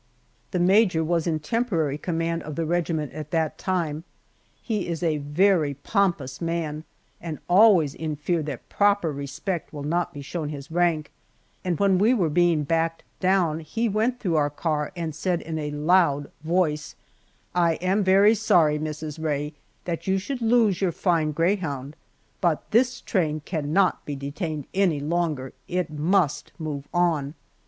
The major was in temporary command of the regiment at that time. He is a very pompous man and always in fear that proper respect will not be shown his rank, and when we were being backed down he went through our car and said in a loud voice: "I am very sorry Mrs. Rae, that you should lose your fine greyhound, but this train cannot be detained any longer it must move on!"